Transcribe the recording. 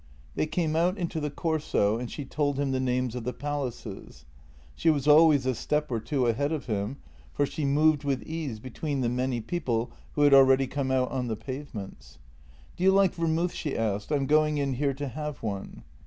They came out into the Corso, and she told him the names of the palaces. She was always a step or two ahead of him, for she moved with ease between the many people who had already come out on the pavements. " Do you like vermouth ?" she asked. " I am going in here to have one."